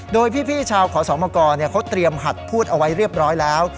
โดยพี่ชาวขอสมกรเขาเตรียมหัดพูดเอาไว้เรียบร้อยแล้ว